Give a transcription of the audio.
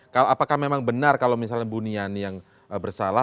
kalau apakah memang benar kalau misalnya buniani yang bersalah